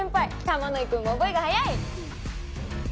玉乃井くんも覚えが早い！